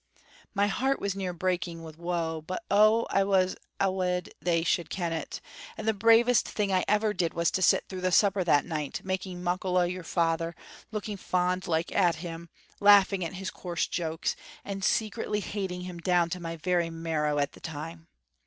"My heart was near breaking wi' woe, but, oh, I was awid they shouldna ken it, and the bravest thing I ever did was to sit through the supper that night, making muckle o' your father, looking fond like at him, laughing at his coarse jokes, and secretly hating him down to my very marrow a' the time.